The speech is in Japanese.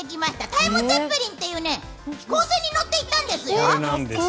タイムツェッペリンという飛行船に乗って行ったんですよ。